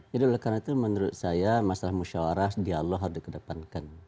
jadi oleh karena itu menurut saya masalah musyawarah dialog harus di kedepan